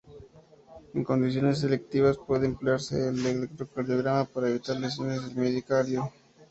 En condiciones electivas puede emplearse el electrocardiograma para evitar lesiones del miocardio.